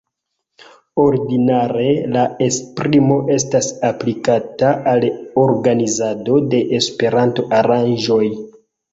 Ordinare la esprimo estas aplikata al organizado de Esperanto-aranĝoj.